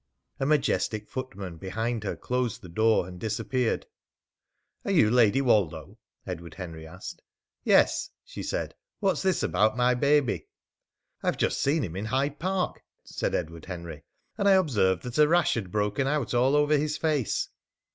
A majestic footman behind her closed the door and disappeared. "Are you Lady Woldo?" Edward Henry asked. "Yes," she said. "What's this about my baby?" "I've just seen him in Hyde Park," said Edward Henry. "And I observed that a rash had broken out all over his face."